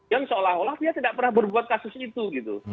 kan seolah olah dia tidak pernah berbuat kasus itu